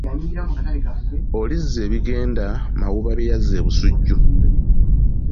Olizze ebigenda Mawuba bye yazza e Busujju.